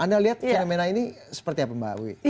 anda lihat fenomena ini seperti apa mbak wiwi